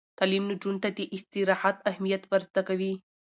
تعلیم نجونو ته د استراحت اهمیت ور زده کوي.